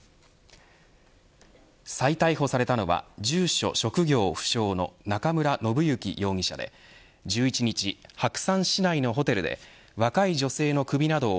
再逮捕されたのは住所職業不詳の中村信之容疑者で１１日、白山市内のホテルで若い女性の首などを